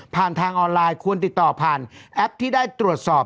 ทางออนไลน์ควรติดต่อผ่านแอปที่ได้ตรวจสอบ